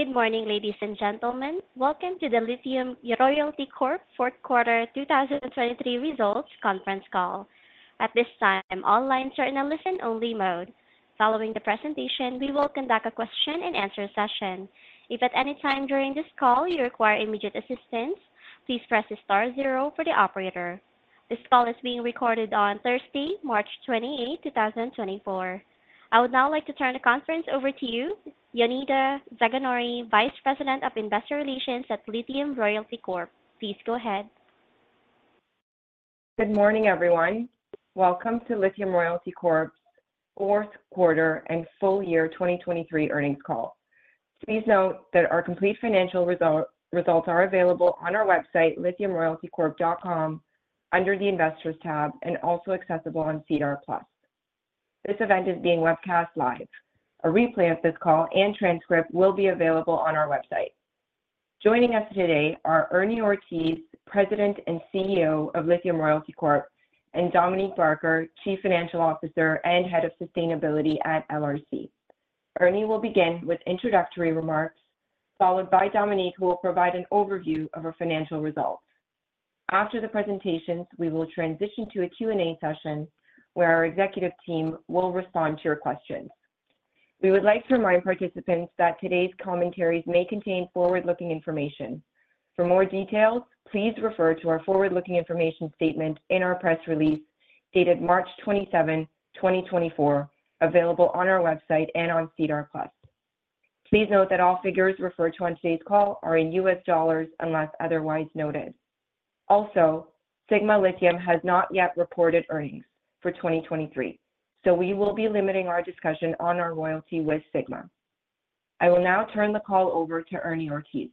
Good morning, ladies and gentlemen. Welcome to the Lithium Royalty Corp 4th Quarter 2023 Results Conference Call. At this time, all lines are in a listen-only mode. Following the presentation, we will conduct a question-and-answer session. If at any time during this call you require immediate assistance, please press the star zero for the operator. This call is being recorded on Thursday, March 28, 2024. I would now like to turn the conference over to you, Jonida Zaganjori, Vice President of Investor Relations at Lithium Royalty Corp. Please go ahead. Good morning, everyone. Welcome to Lithium Royalty Corp's 4th Quarter and Full Year 2023 Earnings Call. Please note that our complete financial results are available on our website, lithiumroyaltycorp.com, under the Investors tab, and also accessible on SEDAR+. This event is being webcast live. A replay of this call and transcript will be available on our website. Joining us today are Ernie Ortiz, President and CEO of Lithium Royalty Corp, and Dominique Barker, Chief Financial Officer and Head of Sustainability at LRC. Ernie will begin with introductory remarks, followed by Dominique, who will provide an overview of our financial results. After the presentations, we will transition to a Q&A session where our executive team will respond to your questions. We would like to remind participants that today's commentaries may contain forward-looking information. For more details, please refer to our forward-looking information statement in our press release dated March 27, 2024, available on our website and on SEDAR+. Please note that all figures referred to on today's call are in U.S. dollars unless otherwise noted. Also, Sigma Lithium has not yet reported earnings for 2023, so we will be limiting our discussion on our royalty with Sigma. I will now turn the call over to Ernie Ortiz.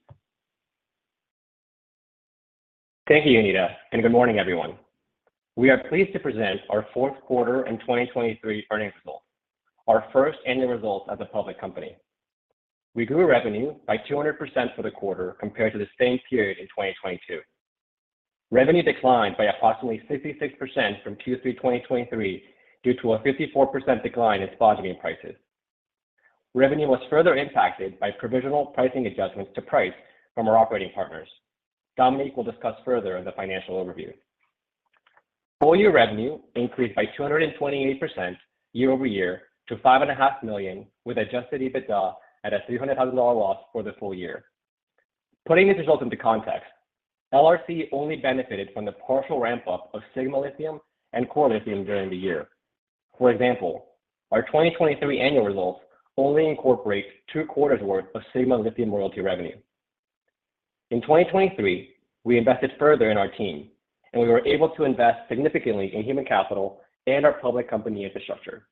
Thank you, Jonida, and good morning, everyone. We are pleased to present our 4th Quarter and 2023 Earnings Results, our first annual results as a public company. We grew revenue by 200% for the quarter compared to the same period in 2022. Revenue declined by approximately 56% from Q3 2023 due to a 54% decline in spodumene prices. Revenue was further impacted by provisional pricing adjustments to price from our operating partners. Dominique will discuss further in the financial overview. Full year revenue increased by 228% quarter-over-quarter to $5.5 million, with Adjusted EBITDA at a $300,000 loss for the full year. Putting these results into context, LRC only benefited from the partial ramp-up of Sigma Lithium and Core Lithium during the year. For example, our 2023 annual results only incorporate two quarters' worth of Sigma Lithium royalty revenue. In 2023, we invested further in our team, and we were able to invest significantly in human capital and our public company infrastructure.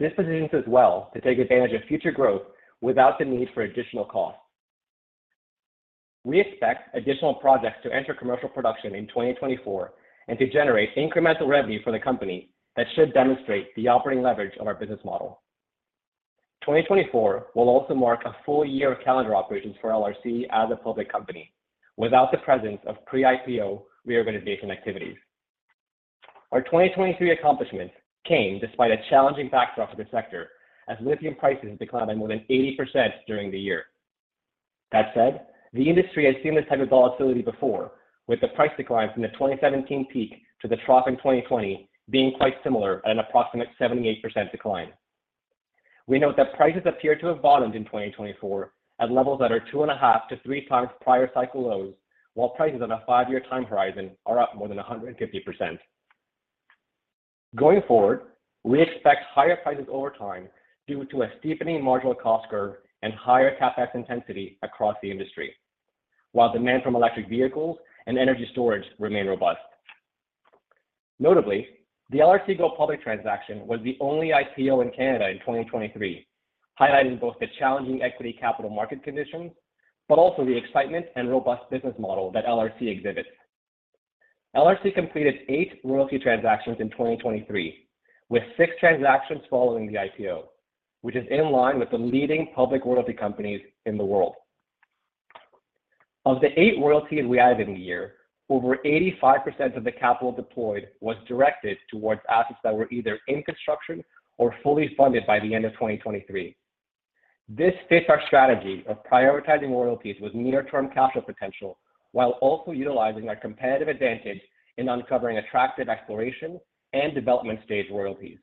This positions us well to take advantage of future growth without the need for additional costs. We expect additional projects to enter commercial production in 2024 and to generate incremental revenue for the company that should demonstrate the operating leverage of our business model. 2024 will also mark a full year of calendar operations for LRC as a public company without the presence of pre-IPO reorganization activities. Our 2023 accomplishments came despite a challenging backdrop for the sector, as lithium prices declined by more than 80% during the year. That said, the industry has seen this type of volatility before, with the price declines from the 2017 peak to the trough in 2020 being quite similar at an approximate 78% decline. We note that prices appear to have bottomed in 2024 at levels that are 2.5-3 times prior cycle lows, while prices on a 5-year time horizon are up more than 150%. Going forward, we expect higher prices over time due to a steepening marginal cost curve and higher CapEx intensity across the industry, while demand from electric vehicles and energy storage remains robust. Notably, the LRC Go Public transaction was the only IPO in Canada in 2023, highlighting both the challenging equity capital market conditions but also the excitement and robust business model that LRC exhibits. LRC completed 8 royalty transactions in 2023, with 6 transactions following the IPO, which is in line with the leading public royalty companies in the world. Of the 8 royalties we have in the year, over 85% of the capital deployed was directed towards assets that were either in construction or fully funded by the end of 2023. This fits our strategy of prioritizing royalties with near-term cash flow potential while also utilizing our competitive advantage in uncovering attractive exploration and development stage royalties.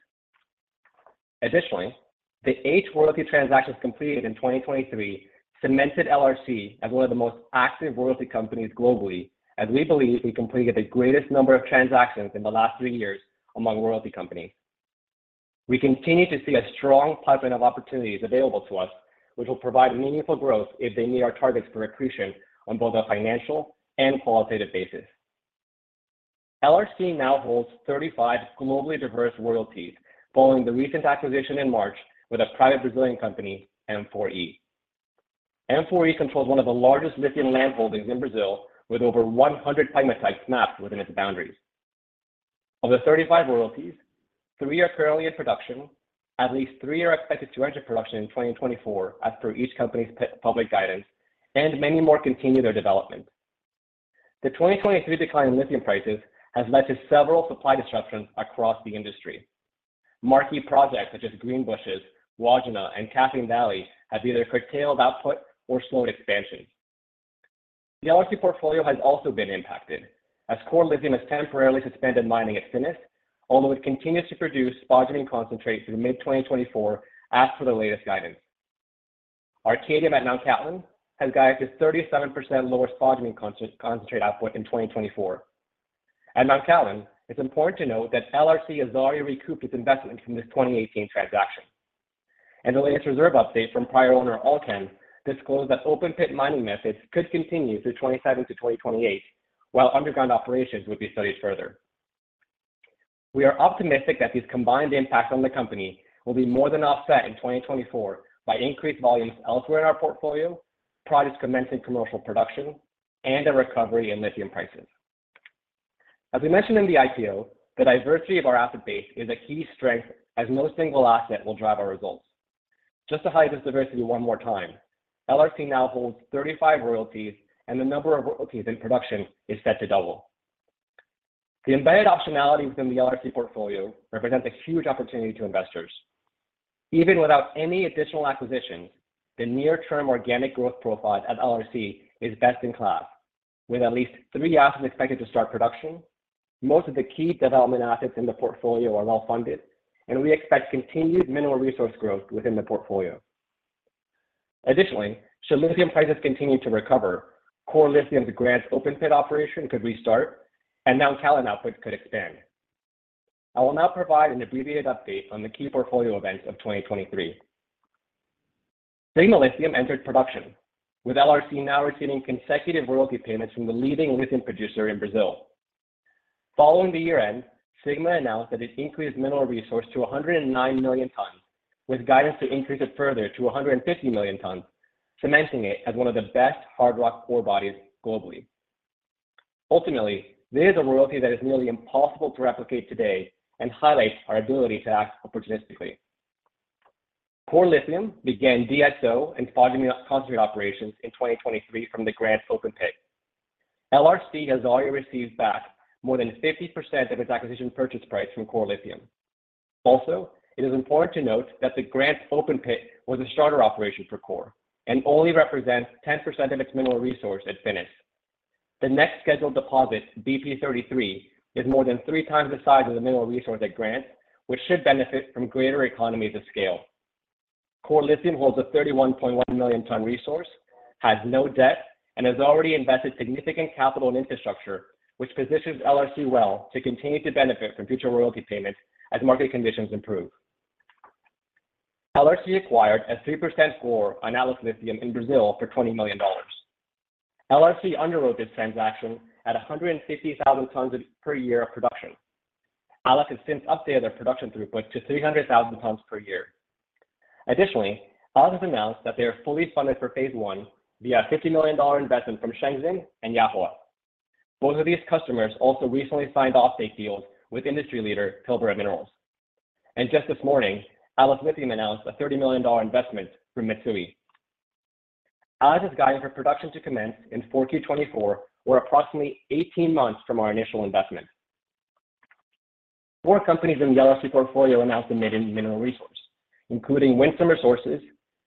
Additionally, the 8 royalty transactions completed in 2023 cemented LRC as one of the most active royalty companies globally, as we believe we completed the greatest number of transactions in the last three years among royalty companies. We continue to see a strong pipeline of opportunities available to us, which will provide meaningful growth if they meet our targets for accretion on both a financial and qualitative basis. LRC now holds 35 globally diverse royalties following the recent acquisition in March with a private Brazilian company, M4E. M4E controls one of the largest lithium land holdings in Brazil, with over 100 pegmatites mapped within its boundaries. Of the 35 royalties, three are currently in production, at least three are expected to enter production in 2024 as per each company's public guidance, and many more continue their development. The 2023 decline in lithium prices has led to several supply disruptions across the industry. Marquee projects such as Greenbushes, Wodgina, and Kathleen Valley have either curtailed output or slowed expansion. The LRC portfolio has also been impacted, as Core Lithium has temporarily suspended mining at Finniss, although it continues to produce spodumene concentrate through mid-2024 as per the latest guidance. Arcadium at Mt. Cattlin has guided to 37% lower spodumene concentrate output in 2024. At Mt Cattlin, it's important to note that LRC has already recouped its investment from this 2018 transaction, and the latest reserve update from prior owner Allkem disclosed that open-pit mining methods could continue through 2017 to 2028, while underground operations would be studied further. We are optimistic that these combined impacts on the company will be more than offset in 2024 by increased volumes elsewhere in our portfolio, projects commencing commercial production, and a recovery in lithium prices. As we mentioned in the IPO, the diversity of our asset base is a key strength, as no single asset will drive our results. Just to highlight this diversity one more time, LRC now holds 35 royalties, and the number of royalties in production is set to double. The embedded optionality within the LRC portfolio represents a huge opportunity to investors. Even without any additional acquisitions, the near-term organic growth profile at LRC is best in class, with at least three assets expected to start production, most of the key development assets in the portfolio are well-funded, and we expect continued mineral resource growth within the portfolio. Additionally, should lithium prices continue to recover, Core Lithium's Grants open-pit operation could restart, and Mt Cattlin output could expand. I will now provide an abbreviated update on the key portfolio events of 2023. Sigma Lithium entered production, with LRC now receiving consecutive royalty payments from the leading lithium producer in Brazil. Following the year-end, Sigma announced that it increased mineral resource to 109 million tons, with guidance to increase it further to 150 million tons, cementing it as one of the best hard rock ore bodies globally. Ultimately, this is a royalty that is nearly impossible to replicate today and highlights our ability to act opportunistically. Core Lithium began DSO and spodumene concentrate operations in 2023 from the Grants open-pit. LRC has already received back more than 50% of its acquisition purchase price from Core Lithium. Also, it is important to note that the Grants open-pit was a starter operation for Core and only represents 10% of its mineral resource at Finniss. The next scheduled deposit, BP33, is more than three times the size of the mineral resource at Grants, which should benefit from greater economies of scale. Core Lithium holds a 31.1 million ton resource, has no debt, and has already invested significant capital in infrastructure, which positions LRC well to continue to benefit from future royalty payments as market conditions improve. LRC acquired a 3% NSR on Atlas Lithium in Brazil for $20 million. LRC underwrote this transaction at 150,000 tons per year of production. Atlas has since updated their production throughput to 300,000 tons per year. Additionally, Atlas has announced that they are fully funded for Phase One via a $50 million investment from Chengxin and Yahua. Both of these customers also recently signed offtake deals with industry leader Pilbara Minerals. And just this morning, Atlas Lithium announced a $30 million investment from Mitsui. Atlas has guidance for production to commence in 4Q 2024, or approximately 18 months from our initial investment. Four companies in the LRC portfolio announced a mineral resource, including Winsome Resources,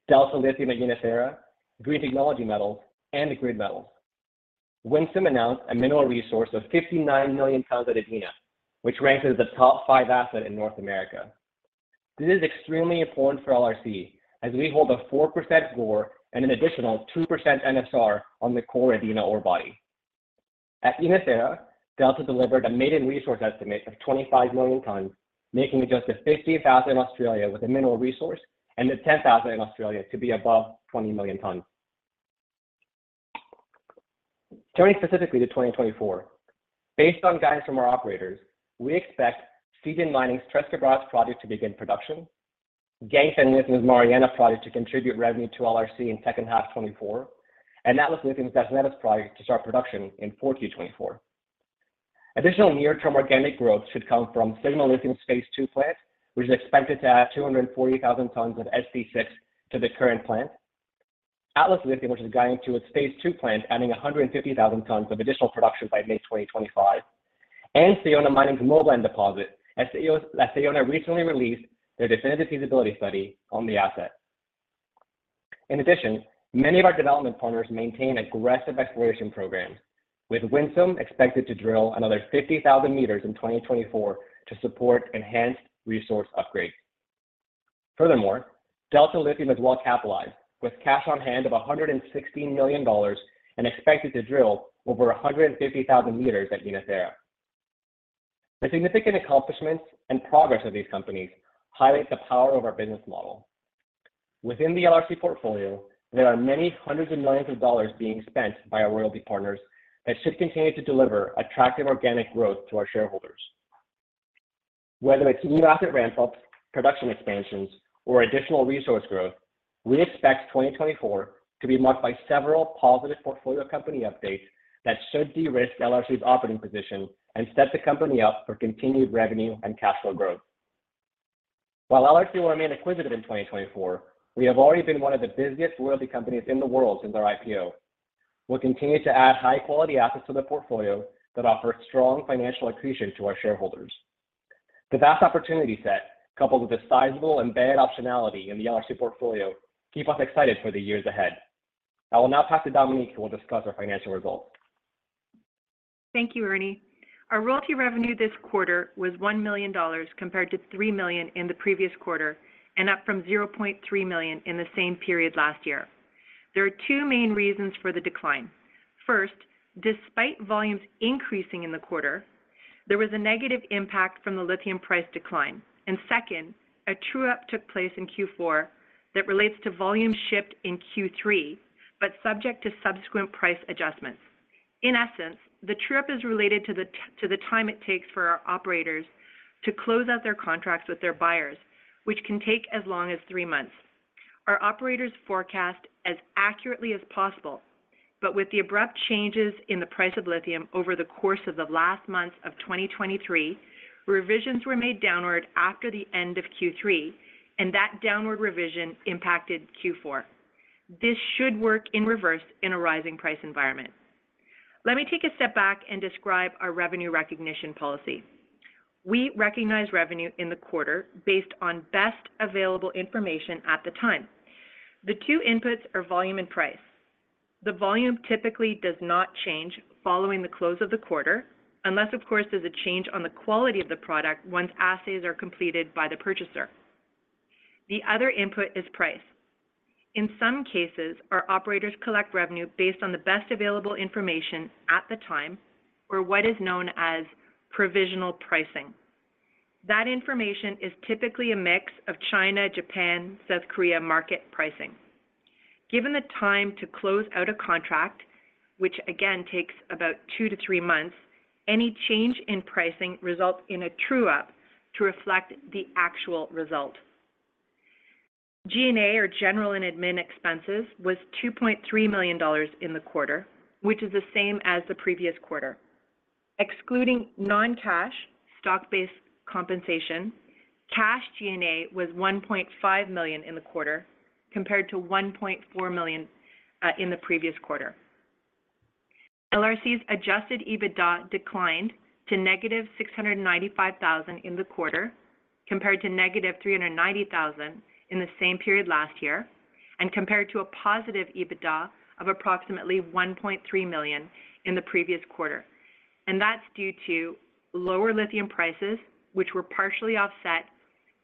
Delta Lithium at Yinnetharra, Green Technology Metals, and Grid Metals. Winsome announced a mineral resource of 59 million tons at Adina, which ranks as the top five asset in North America. This is extremely important for LRC, as we hold a 4% GOR and an additional 2% NSR on the our Adina ore body. At Yinnetharra, Delta delivered a maiden resource estimate of 25 million tons, making it just the 15th in Australia with a mineral resource and the 10th in Australia to be above 20 million tons. Turning specifically to 2024, based on guidance from our operators, we expect Core Lithium's Finniss project to begin production, Ganfeng Lithium's Mariana project to contribute revenue to LRC in 2H 2024, and Atlas Lithium's Das Neves project to start production in 4Q 2024. Additional near-term organic growth should come from Sigma Lithium's Phase Two plant, which is expected to add 240,000 tons of SC6 to the current plant, Atlas Lithium, which is guiding to its Phase Two plant, adding 150,000 tons of additional production by mid-2025, and Sayona Mining's Moblan deposit, as Sayona recently released their definitive feasibility study on the asset. In addition, many of our development partners maintain aggressive exploration programs, with Winsome expected to drill another 50,000 meters in 2024 to support enhanced resource upgrades. Furthermore, Delta Lithium has well capitalized, with cash on hand of $116 million and expected to drill over 150,000 meters at Yinnetharra. The significant accomplishments and progress of these companies highlight the power of our business model. Within the LRC portfolio, there are many hundreds of millions of dollars being spent by our royalty partners that should continue to deliver attractive organic growth to our shareholders. Whether it's new asset ramp-ups, production expansions, or additional resource growth, we expect 2024 to be marked by several positive portfolio company updates that should de-risk LRC's operating position and set the company up for continued revenue and cash flow growth. While LRC will remain acquisitive in 2024, we have already been one of the busiest royalty companies in the world since our IPO. We'll continue to add high-quality assets to the portfolio that offer strong financial accretion to our shareholders. The vast opportunity set, coupled with the sizable embedded optionality in the LRC portfolio, keeps us excited for the years ahead. I will now pass to Dominique, who will discuss our financial results. Thank you, Ernie. Our royalty revenue this quarter was $1 million compared to $3 million in the previous quarter, and up from $0.3 million in the same period last year. There are two main reasons for the decline. First, despite volumes increasing in the quarter, there was a negative impact from the lithium price decline. Second, a true-up took place in Q4 that relates to volume shift in Q3 but subject to subsequent price adjustments. In essence, the true-up is related to the time it takes for our operators to close out their contracts with their buyers, which can take as long as three months. Our operators forecast as accurately as possible, but with the abrupt changes in the price of lithium over the course of the last months of 2023, revisions were made downward after the end of Q3, and that downward revision impacted Q4. This should work in reverse in a rising price environment. Let me take a step back and describe our revenue recognition policy. We recognize revenue in the quarter based on best available information at the time. The two inputs are volume and price. The volume typically does not change following the close of the quarter, unless, of course, there's a change on the quality of the product once assays are completed by the purchaser. The other input is price. In some cases, our operators collect revenue based on the best available information at the time, or what is known as provisional pricing. That information is typically a mix of China, Japan, South Korea market pricing. Given the time to close out a contract, which again takes about 2-3 months, any change in pricing results in a true-up to reflect the actual result. G&A, or general and admin expenses, was $2.3 million in the quarter, which is the same as the previous quarter. Excluding non-cash, stock-based compensation, cash G&A was $1.5 million in the quarter compared to $1.4 million in the previous quarter. LRC's Adjusted EBITDA declined to -$695,000 in the quarter compared to -$390,000 in the same period last year, and compared to a positive EBITDA of approximately $1.3 million in the previous quarter. That's due to lower lithium prices, which were partially offset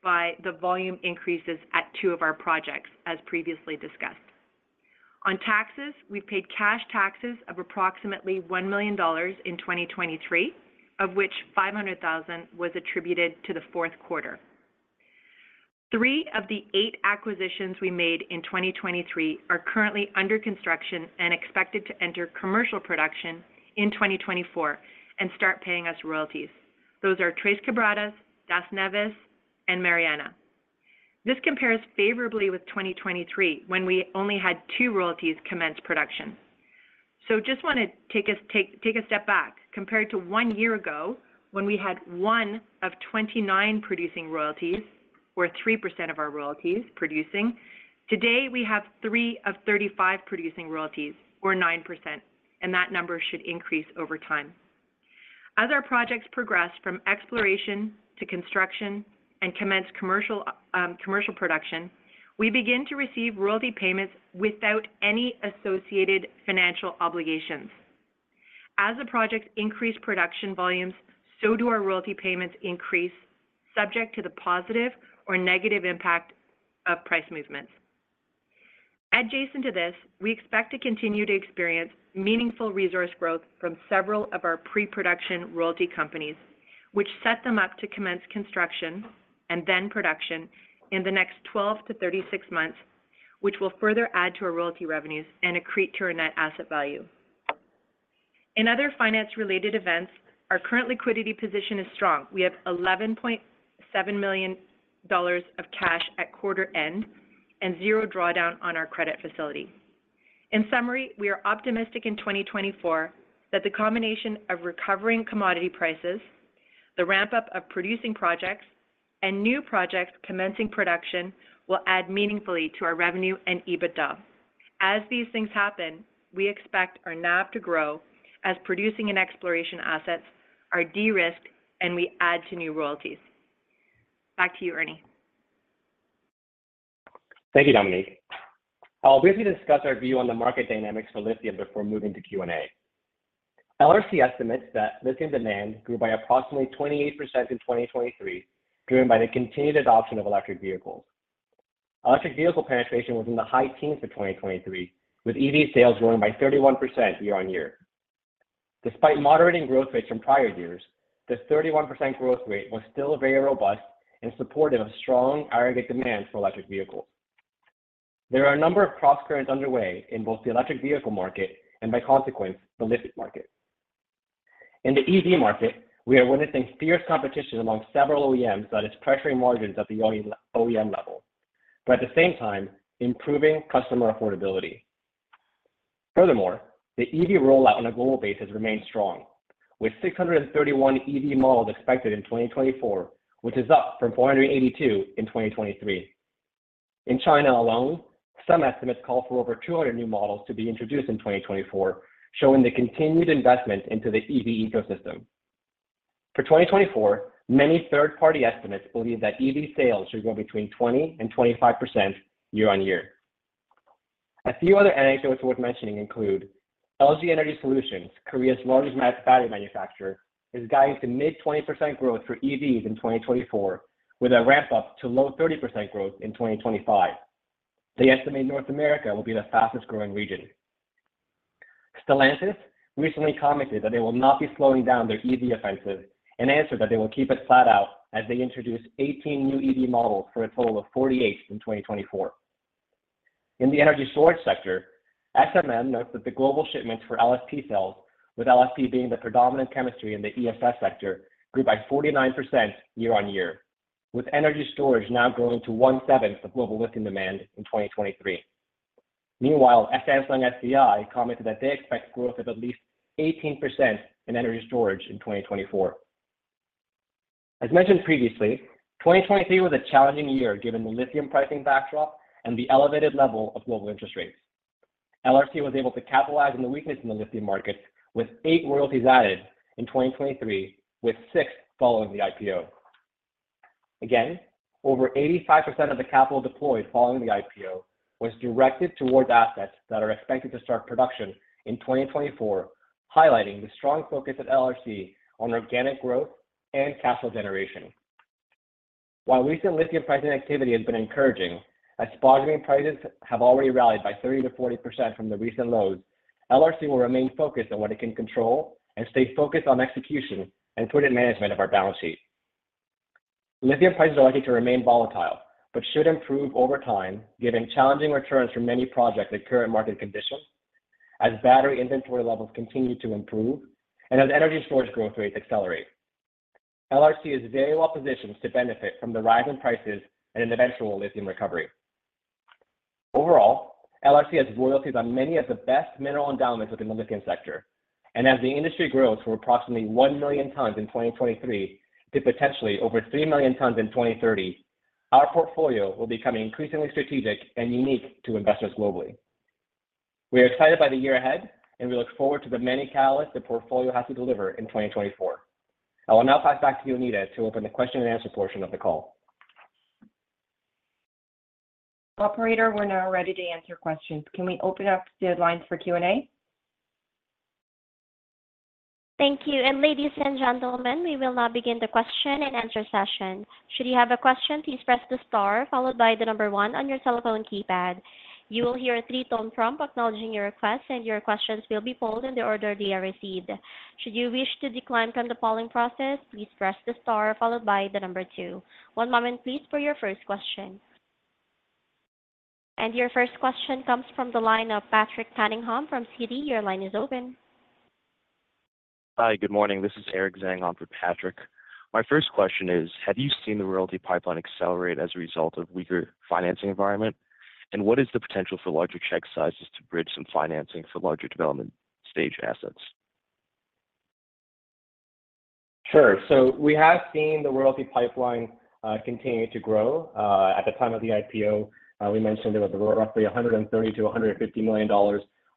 by the volume increases at two of our projects, as previously discussed. On taxes, we've paid cash taxes of approximately $1 million in 2023, of which $500,000 was attributed to the Q4. Three of the eight acquisitions we made in 2023 are currently under construction and expected to enter commercial production in 2024 and start paying us royalties. Those are Tres Quebradas, Das Neves, and Mariana. This compares favorably with 2023, when we only had two royalties commence production. So just want to take a step back. Compared to one year ago, when we had 1 of 29 producing royalties, or 3% of our royalties producing, today we have 3 of 35 producing royalties, or 9%, and that number should increase over time. As our projects progress from exploration to construction and commence commercial production, we begin to receive royalty payments without any associated financial obligations. As the projects increase production volumes, so do our royalty payments increase, subject to the positive or negative impact of price movements. Adjacent to this, we expect to continue to experience meaningful resource growth from several of our pre-production royalty companies, which set them up to commence construction and then production in the next 12-36 months, which will further add to our royalty revenues and accrete to our net asset value. In other finance-related events, our current liquidity position is strong. We have $11.7 million of cash at quarter end and zero drawdown on our credit facility. In summary, we are optimistic in 2024 that the combination of recovering commodity prices, the ramp-up of producing projects, and new projects commencing production will add meaningfully to our revenue and EBITDA. As these things happen, we expect our NAV to grow as producing and exploration assets are de-risked and we add to new royalties. Back to you, Ernie. Thank you, Dominique. I'll briefly discuss our view on the market dynamics for lithium before moving to Q&A. LRC estimates that lithium demand grew by approximately 28% in 2023, driven by the continued adoption of electric vehicles. Electric vehicle penetration was in the high teens for 2023, with EV sales growing by 31% quarter-over-quarter. Despite moderating growth rates from prior years, the 31% growth rate was still very robust and supportive of strong aggregate demand for electric vehicles. There are a number of cross-currents underway in both the electric vehicle market and, by consequence, the lithium market. In the EV market, we are witnessing fierce competition among several OEMs that is pressuring margins at the OEM level, but at the same time, improving customer affordability. Furthermore, the EV rollout on a global basis remains strong, with 631 EV models expected in 2024, which is up from 482 in 2023. In China alone, some estimates call for over 200 new models to be introduced in 2024, showing the continued investment into the EV ecosystem. For 2024, many third-party estimates believe that EV sales should go between 20% and 25% year-on-year. A few other anecdotes worth mentioning include LG Energy Solution, Korea's largest battery manufacturer, is guiding to mid-20% growth for EVs in 2024, with a ramp-up to low 30% growth in 2025. They estimate North America will be the fastest-growing region. Stellantis recently commented that they will not be slowing down their EV offensive and answered that they will keep it flat out as they introduce 18 new EV models for a total of 48 in 2024. In the energy storage sector, SMM notes that the global shipments for LFP cells, with LFP being the predominant chemistry in the ESS sector, grew by 49% year-on-year, with energy storage now growing to one-seventh of global lithium demand in 2023. Meanwhile, Samsung SDI commented that they expect growth of at least 18% in energy storage in 2024. As mentioned previously, 2023 was a challenging year given the lithium pricing backdrop and the elevated level of global interest rates. LRC was able to capitalize on the weakness in the lithium market, with eight royalties added in 2023, with six following the IPO. Again, over 85% of the capital deployed following the IPO was directed towards assets that are expected to start production in 2024, highlighting the strong focus at LRC on organic growth and cash flow generation. While recent lithium pricing activity has been encouraging, as spot-going prices have already rallied by 30%-40% from the recent lows, LRC will remain focused on what it can control and stay focused on execution and ticket management of our balance sheet. Lithium prices are likely to remain volatile but should improve over time, given challenging returns from many projects at current market conditions, as battery inventory levels continue to improve and as energy storage growth rates accelerate. LRC is very well positioned to benefit from the rise in prices and an eventual lithium recovery. Overall, LRC has royalties on many of the best mineral endowments within the lithium sector, and as the industry grows from approximately 1 million tons in 2023 to potentially over 3 million tons in 2030, our portfolio will become increasingly strategic and unique to investors globally. We are excited by the year ahead, and we look forward to the many catalysts the portfolio has to deliver in 2024. I will now pass back to Jonida to open the question-and-answer portion of the call. Operator, we're now ready to answer questions. Can we open up the lines for Q&A? Thank you. Ladies and gentlemen, we will now begin the question-and-answer session. Should you have a question, please press the star followed by the number 1 on your cell phone keypad. You will hear a 3-tone prompt acknowledging your request, and your questions will be polled in the order they are received. Should you wish to decline from the polling process, please press the star followed by the number 2. One moment, please, for your first question. Your first question comes from the line of Patrick Cunningham from Citi. Your line is open. Hi, good morning. This is Eric Zhang for Patrick. My first question is, have you seen the royalty pipeline accelerate as a result of a weaker financing environment? And what is the potential for larger check sizes to bridge some financing for larger development-stage assets? Sure. So we have seen the royalty pipeline continue to grow. At the time of the IPO, we mentioned there were roughly $130-$150 million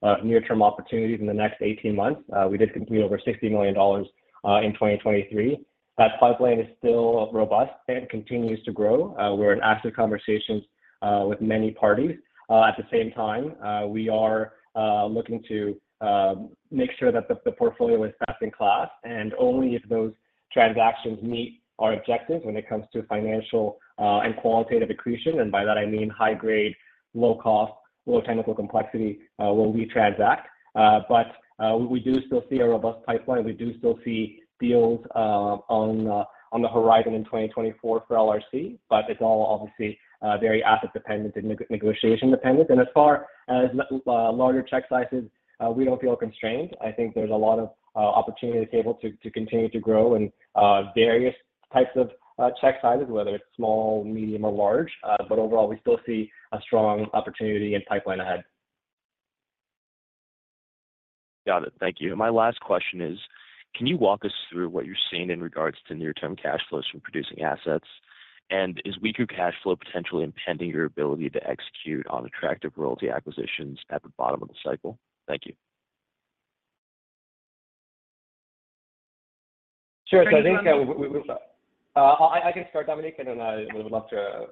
of near-term opportunities in the next 18 months. We did complete over $60 million in 2023. That pipeline is still robust and continues to grow. We're in active conversations with many parties. At the same time, we are looking to make sure that the portfolio is best in class, and only if those transactions meet our objectives when it comes to financial and qualitative accretion, and by that I mean high-grade, low-cost, low-technical complexity, will we transact. But we do still see a robust pipeline. We do still see deals on the horizon in 2024 for LRC, but it's all obviously very asset-dependent and negotiation-dependent. And as far as larger check sizes, we don't feel constrained. I think there's a lot of opportunity at the table to continue to grow in various types of check sizes, whether it's small, medium, or large. But overall, we still see a strong opportunity and pipeline ahead. Got it. Thank you. My last question is, can you walk us through what you're seeing in regards to near-term cash flows from producing assets? And is weaker cash flow potentially impending your ability to execute on attractive royalty acquisitions at the bottom of the cycle? Thank you. Sure. So I think we will. Thank you. I can start, Dominique, and then I would love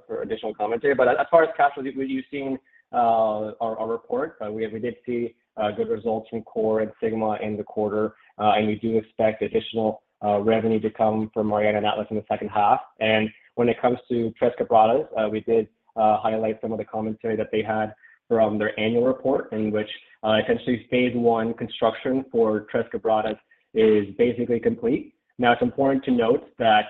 for additional commentary. But as far as cash flow, you've seen our report, but we did see good results from Core and Sigma in the quarter, and we do expect additional revenue to come from Mariana and Atlas in the second half. And when it comes to Tres Quebradas, we did highlight some of the commentary that they had from their annual report, in which essentially phase one construction for Tres Quebradas is basically complete. Now, it's important to note that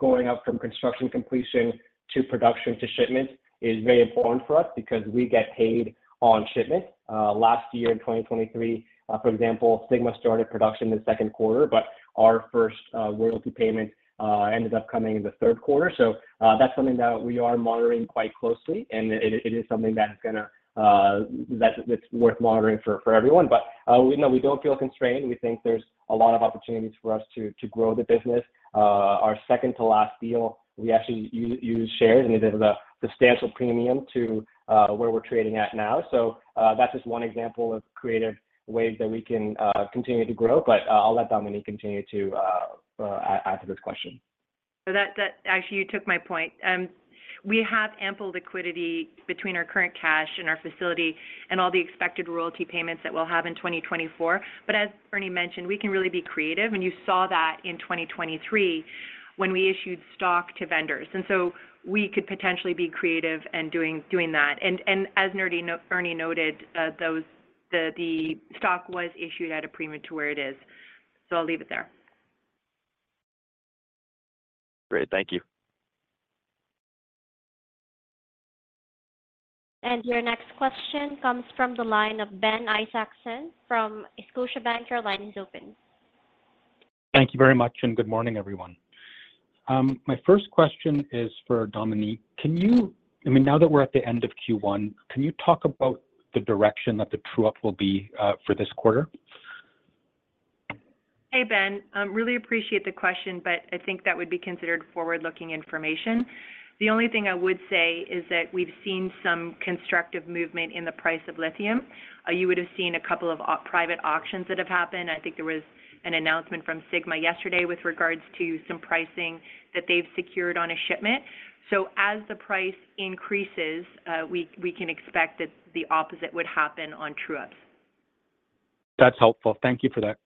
going up from construction completion to production to shipment is very important for us because we get paid on shipment. Last year in 2023, for example, Sigma started production in the second quarter, but our first royalty payment ended up coming in the Q3. So that's something that we are monitoring quite closely, and it is something that's worth monitoring for everyone. But no, we don't feel constrained. We think there's a lot of opportunities for us to grow the business. Our second-to-last deal, we actually used shares, and it is a substantial premium to where we're trading at now. So that's just one example of creative ways that we can continue to grow. But I'll let Dominique continue to add to this question. So actually, you took my point. We have ample liquidity between our current cash and our facility and all the expected royalty payments that we'll have in 2024. But as Ernie mentioned, we can really be creative, and you saw that in 2023 when we issued stock to vendors. And so we could potentially be creative in doing that. And as Ernie noted, the stock was issued at a premium to where it is. So I'll leave it there. Great. Thank you. Your next question comes from the line of Ben Isaacson from Scotiabank. Your line is open. Thank you very much, and good morning, everyone. My first question is for Dominique. I mean, now that we're at the end of Q1, can you talk about the direction that the true-up will be for this quarter? Hey, Ben. Really appreciate the question, but I think that would be considered forward-looking information. The only thing I would say is that we've seen some constructive movement in the price of lithium. You would have seen a couple of private auctions that have happened. I think there was an announcement from Sigma yesterday with regards to some pricing that they've secured on a shipment. So as the price increases, we can expect that the opposite would happen on true-ups. That's helpful. Thank you for that.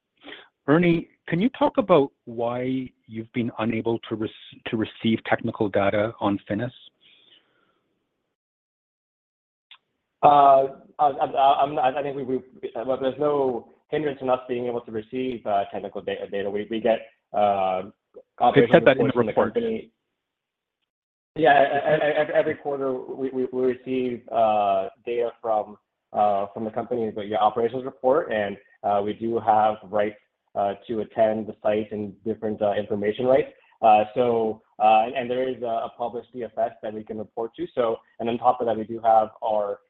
Ernie, can you talk about why you've been unable to receive technical data on Finniss? I think there's no hindrance in us being able to receive technical data. We get operational. You said that in the report. Yeah. Every quarter, we receive data from the company via operations report, and we do have rights to attend the site and different information rights. And there is a published DFS that we can report to. And on top of that, we do have our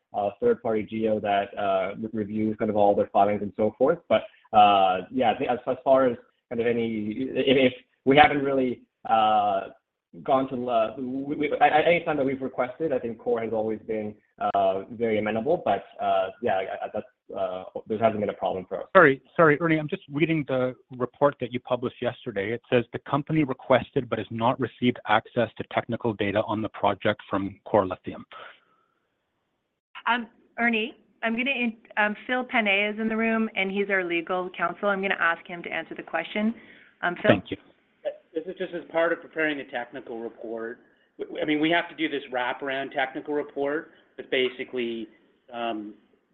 third-party GO that reviews kind of all their filings and so forth. But yeah, as far as kind of any if we haven't really gone to anytime that we've requested, I think Core has always been very amenable. But yeah, there hasn't been a problem for us. Sorry, Ernie. I'm just reading the report that you published yesterday. It says, "The company requested but has not received access to technical data on the project from Core Lithium. Ernie, I'm going to Phil Panet is in the room, and he's our legal counsel. I'm going to ask him to answer the question. Phil. Thank you. This is just as part of preparing the technical report. I mean, we have to do this wraparound technical report that's basically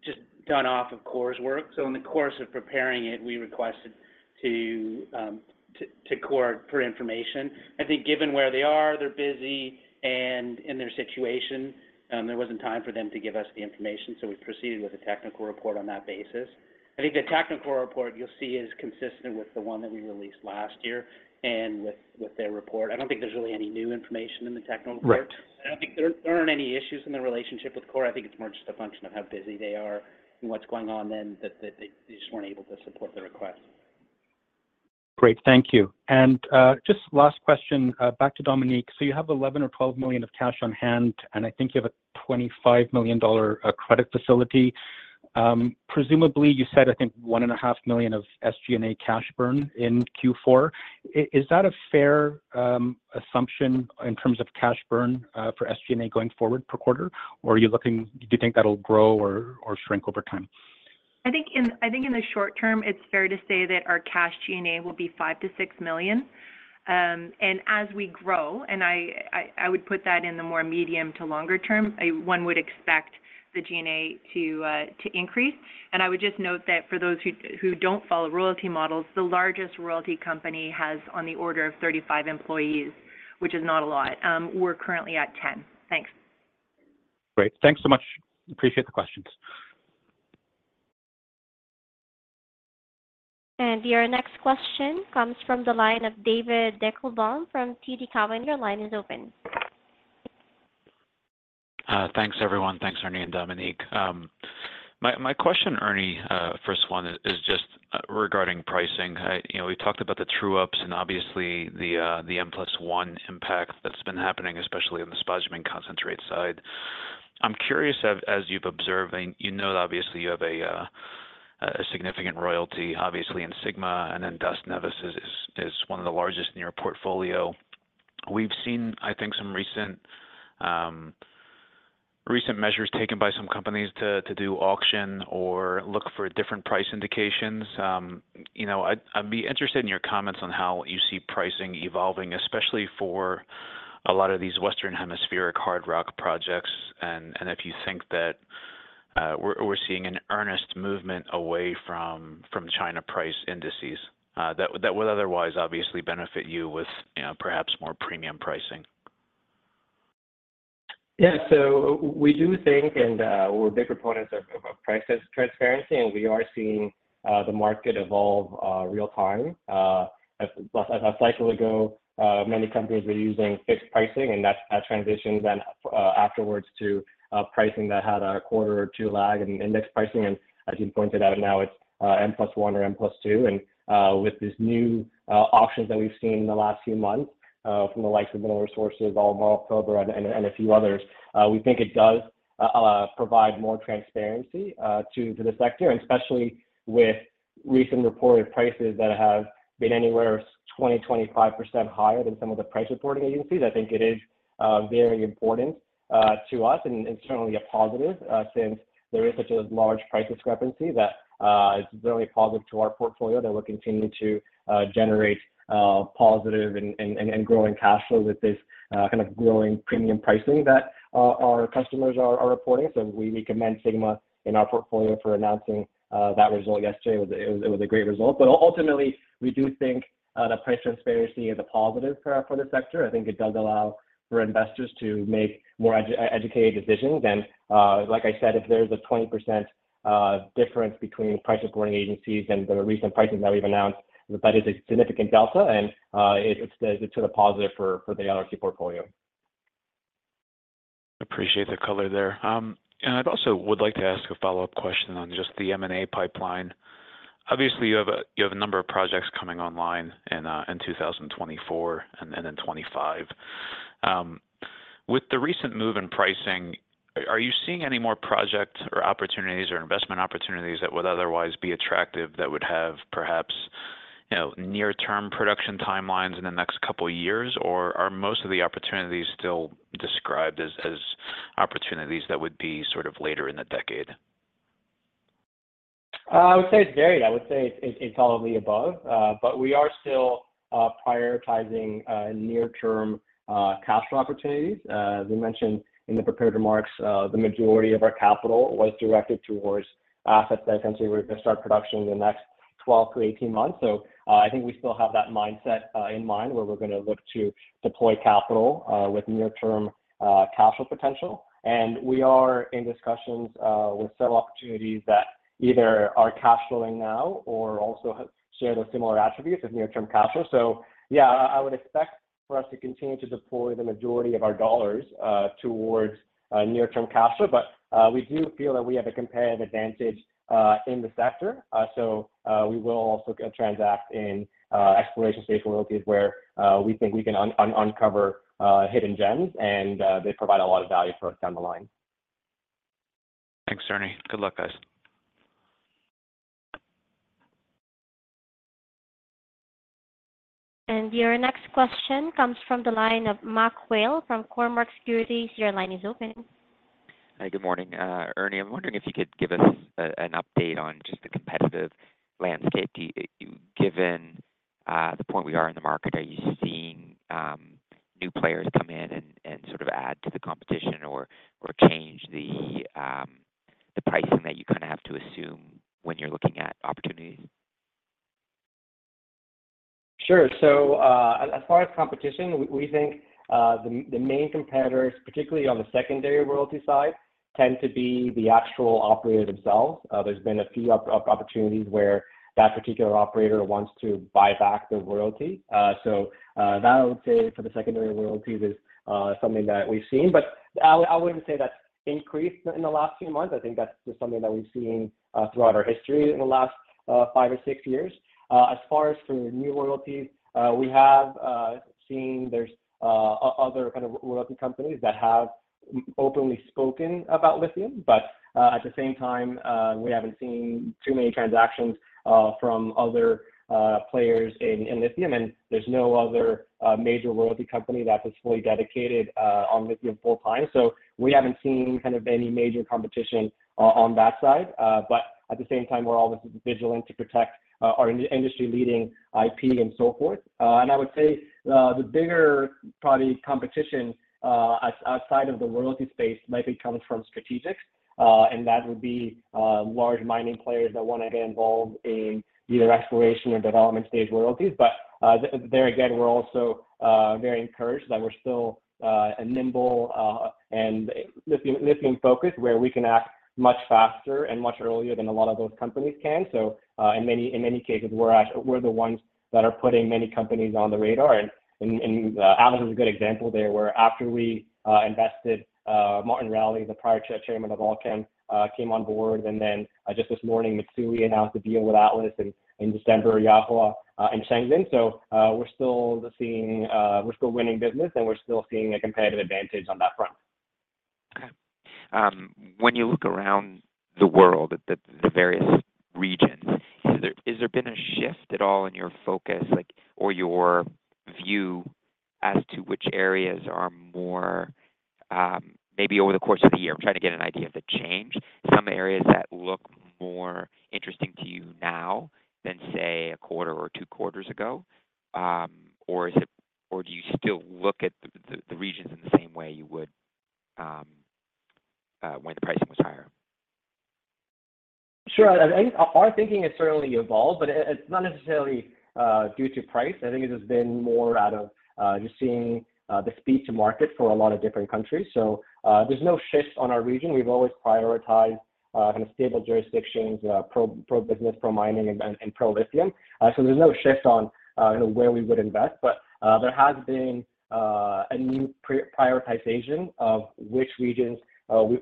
just done off of Core's work. So in the course of preparing it, we requested to Core for information. I think given where they are, they're busy, and in their situation, there wasn't time for them to give us the information, so we proceeded with a technical report on that basis. I think the technical report you'll see is consistent with the one that we released last year and with their report. I don't think there's really any new information in the technical report. I don't think there aren't any issues in the relationship with Core. I think it's more just a function of how busy they are and what's going on than that they just weren't able to support the request. Great. Thank you. And just last question, back to Dominique. So you have $11 million or $12 million of cash on hand, and I think you have a $25 million credit facility. Presumably, you said, I think, $1.5 million of SG&A cash burn in Q4. Is that a fair assumption in terms of cash burn for SG&A going forward per quarter, or do you think that'll grow or shrink over time? I think in the short term, it's fair to say that our cash G&A will be $5 million-$6 million. As we grow, and I would put that in the more medium- to longer-term, one would expect the G&A to increase. I would just note that for those who don't follow royalty models, the largest royalty company has on the order of 35 employees, which is not a lot. We're currently at 10. Thanks. Great. Thanks so much. Appreciate the questions. Your next question comes from the line of David Deckelbaum from TD Cowen. Your line is open. Thanks, everyone. Thanks, Ernie and Dominique. My question, Ernie, first one, is just regarding pricing. We talked about the true-ups and obviously the M+1 impact that's been happening, especially on the spodumene concentrate side. I'm curious, as you've observed and you know that obviously you have a significant royalty, obviously, in Sigma, and then Das Neves is one of the largest in your portfolio. We've seen, I think, some recent measures taken by some companies to do auction or look for different price indications. I'd be interested in your comments on how you see pricing evolving, especially for a lot of these Western Hemispheric hard rock projects, and if you think that we're seeing an earnest movement away from China price indices that would otherwise obviously benefit you with perhaps more premium pricing. Yeah. So we do think, and we're big proponents of price transparency, and we are seeing the market evolve real-time. A cycle ago, many companies were using fixed pricing, and that transitioned then afterwards to pricing that had a quarter or two lag in index pricing. And as you pointed out, now it's M+1 or M+2. And with these new auctions that we've seen in the last few months from the likes of Mineral Resources, Albemarle, Pilbara, and a few others, we think it does provide more transparency to the sector, especially with recent reported prices that have been anywhere 20%-25% higher than some of the price reporting agencies. I think it is very important to us and certainly a positive since there is such a large price discrepancy that it's very positive to our portfolio that we'll continue to generate positive and growing cash flow with this kind of growing premium pricing that our customers are reporting. So we commend Sigma in our portfolio for announcing that result yesterday. It was a great result. But ultimately, we do think that price transparency is a positive for the sector. I think it does allow for investors to make more educated decisions. And like I said, if there's a 20% difference between price reporting agencies and the recent pricing that we've announced, that is a significant delta, and it's to the positive for the LRC portfolio. Appreciate the color there. I also would like to ask a follow-up question on just the M&A pipeline. Obviously, you have a number of projects coming online in 2024 and in 2025. With the recent move in pricing, are you seeing any more projects or opportunities or investment opportunities that would otherwise be attractive that would have perhaps near-term production timelines in the next couple of years, or are most of the opportunities still described as opportunities that would be sort of later in the decade? I would say it's varied. I would say it's all of the above. But we are still prioritizing near-term cash flow opportunities. As we mentioned in the prepared remarks, the majority of our capital was directed towards assets that essentially were going to start production in the next 12-18 months. So I think we still have that mindset in mind where we're going to look to deploy capital with near-term cash flow potential. And we are in discussions with several opportunities that either are cash flowing now or also share those similar attributes of near-term cash flow. So yeah, I would expect for us to continue to deploy the majority of our dollars towards near-term cash flow. But we do feel that we have a comparative advantage in the sector. We will also transact in exploration-stage royalties where we think we can uncover hidden gems, and they provide a lot of value for us down the line. Thanks, Ernie. Good luck, guys. Your next question comes from the line of Mac Whale from Cormark Securities. Your line is open. Hi. Good morning, Ernie. I'm wondering if you could give us an update on just the competitive landscape. Given the point we are in the market, are you seeing new players come in and sort of add to the competition or change the pricing that you kind of have to assume when you're looking at opportunities? Sure. So as far as competition, we think the main competitors, particularly on the secondary royalty side, tend to be the actual operator themselves. There's been a few opportunities where that particular operator wants to buy back the royalty. So that, I would say, for the secondary royalties is something that we've seen. But I wouldn't say that's increased in the last few months. I think that's just something that we've seen throughout our history in the last 5 or 6 years. As far as for new royalties, we have seen there's other kind of royalty companies that have openly spoken about lithium. But at the same time, we haven't seen too many transactions from other players in lithium, and there's no other major royalty company that is fully dedicated on lithium full-time. So we haven't seen kind of any major competition on that side. But at the same time, we're always vigilant to protect our industry-leading IP and so forth. And I would say the bigger probably competition outside of the royalty space likely comes from strategics, and that would be large mining players that want to get involved in either exploration or development-stage royalties. But there again, we're also very encouraged that we're still a nimble and lithium-focused where we can act much faster and much earlier than a lot of those companies can. So in many cases, we're the ones that are putting many companies on the radar. And Atlas is a good example there where after we invested, Martin Rowley, the prior chairman of Allkem, came on board. And then just this morning, Mitsui announced a deal with Atlas, and in December, Yahua and Chengxin. So, we're still winning business, and we're still seeing a competitive advantage on that front. Okay. When you look around the world, the various regions, has there been a shift at all in your focus or your view as to which areas are more maybe over the course of the year - I'm trying to get an idea of the change - some areas that look more interesting to you now than, say, a quarter or two quarters ago? Or do you still look at the regions in the same way you would when the pricing was higher? Sure. I think our thinking has certainly evolved, but it's not necessarily due to price. I think it has been more out of just seeing the speed to market for a lot of different countries. So there's no shift on our region. We've always prioritized kind of stable jurisdictions, pro-business, pro-mining, and pro-lithium. So there's no shift on where we would invest. But there has been a new prioritization of which regions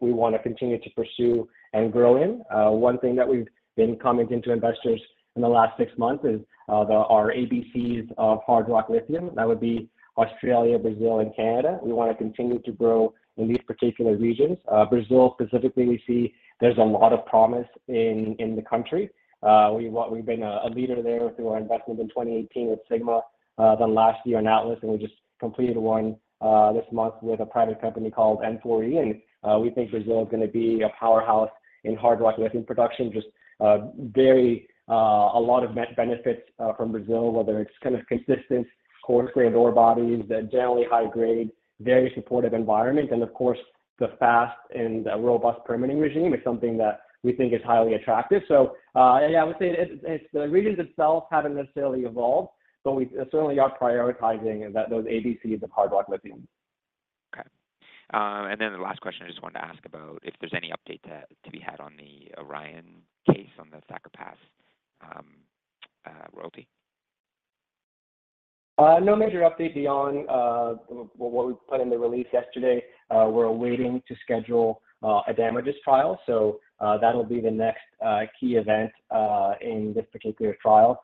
we want to continue to pursue and grow in. One thing that we've been commenting to investors in the last six months is our ABCs of hard rock lithium. That would be Australia, Brazil, and Canada. We want to continue to grow in these particular regions. Brazil specifically, we see there's a lot of promise in the country. We've been a leader there through our investment in 2018 with Sigma, then last year in Atlas, and we just completed one this month with a private company called M4E. And we think Brazil is going to be a powerhouse in hard rock lithium production. Just a lot of benefits from Brazil, whether it's kind of consistent core-grade ore bodies, generally high-grade, very supportive environment, and of course, the fast and robust permitting regime is something that we think is highly attractive. So yeah, I would say the regions themselves haven't necessarily evolved, but we certainly are prioritizing those ABCs of hard rock lithium. Okay. And then the last question, I just wanted to ask about if there's any update to be had on the Orion case on the Thacker Pass royalty? No major update beyond what we put in the release yesterday. We're awaiting to schedule a damages trial, so that'll be the next key event in this particular trial.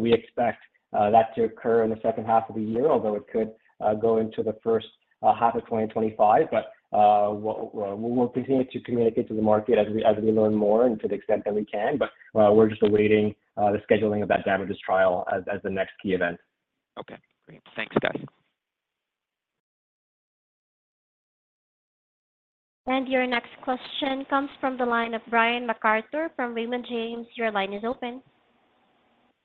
We expect that to occur in the second half of the year, although it could go into the H1 of 2025. We'll continue to communicate to the market as we learn more and to the extent that we can. We're just awaiting the scheduling of that damages trial as the next key event. Okay. Great. Thanks, guys. Your next question comes from the line of Brian MacArthur from Raymond James. Your line is open.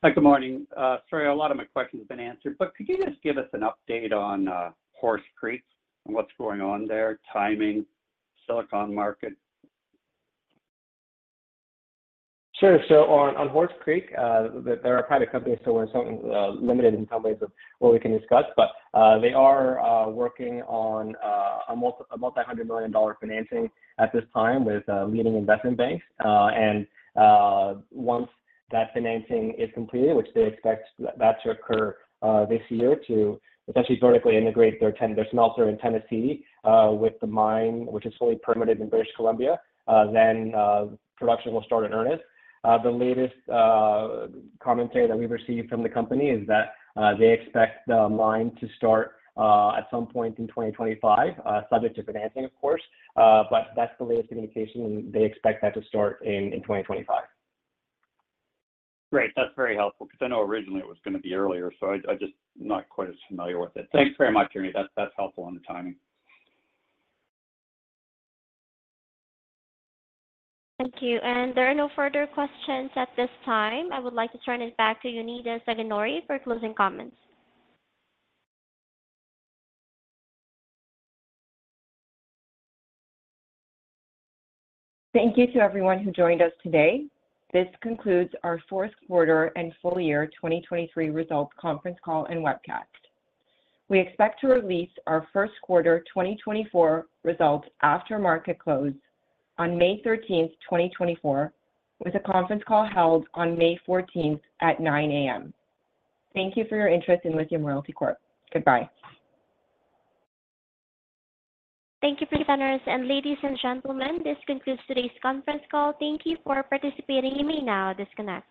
Hi. Good morning. Sorry, a lot of my questions have been answered, but could you just give us an update on Horse Creek and what's going on there, timing, silicon market? Sure. So on Horse Creek, there are private companies, so we're limited in some ways of what we can discuss. But they are working on a $multi-hundred million financing at this time with leading investment banks. And once that financing is completed, which they expect that to occur this year, to essentially vertically integrate their smelter in Tennessee with the mine, which is fully permitted in British Columbia, then production will start in earnest. The latest commentary that we've received from the company is that they expect the mine to start at some point in 2025, subject to financing, of course. But that's the latest communication, and they expect that to start in 2025. Great. That's very helpful because I know originally it was going to be earlier, so I'm just not quite as familiar with it. Thanks very much, Ernie. That's helpful on the timing. Thank you. There are no further questions at this time. I would like to turn it back to Jonida Zaganjori for closing comments. Thank you to everyone who joined us today. This concludes our Q4 and full year 2023 results conference call and webcast. We expect to release our Q1 2024 results after market close on May 13th, 2024, with a conference call held on May 14th at 9:00 A.M. Thank you for your interest in Lithium Royalty Corp. Goodbye. Thank you for your time. Ladies and gentlemen, this concludes today's conference call. Thank you for participating. You may now disconnect.